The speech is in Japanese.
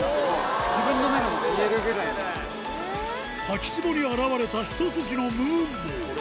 滝つぼに現れたひと筋のムーンボウ